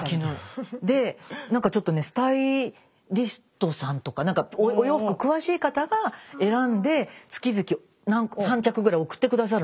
で何かちょっとねスタイリストさんとかお洋服詳しい方が選んで月々３着ぐらい送って下さるの。